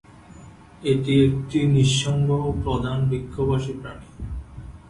এটি একটি নিঃসঙ্গ ও প্রধানত বৃক্ষবাসী প্রাণী।